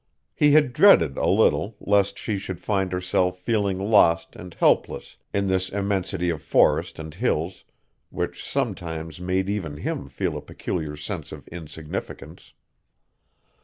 He had dreaded a little lest she should find herself feeling lost and helpless in this immensity of forest and hills which sometimes made even him feel a peculiar sense of insignificance.